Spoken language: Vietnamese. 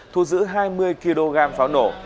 thu giữ hai mươi kg pháo nổ